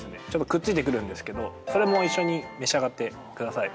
くっついてくるんですけどそれも一緒に召し上がってください。